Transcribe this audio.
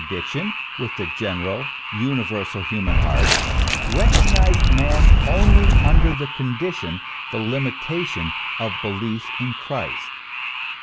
diction with the genuine universal human heart, recognised man only under the condition, the limitation, of belief in Christ.